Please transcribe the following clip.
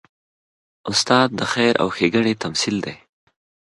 استاد د خیر او ښېګڼې تمثیل دی.